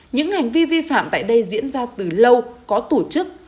những hành vi vi phạm tại đây diễn ra từ lâu có tổ chức